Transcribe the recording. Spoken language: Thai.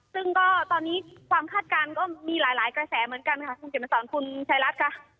ซึ่งก็ตอนนี้ความคาดการณ์ก็มีหลายกระแสเหมือนกันค่ะคุณเขียนมาสอนคุณชายรัฐค่ะ